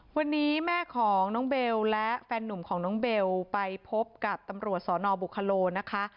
วันนี้แม่ของน้องเบลและแฟนหนุ่มของน้องเบลไปพบกับตำรวจสนบุคโลนะคะ